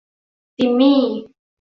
จิมมี่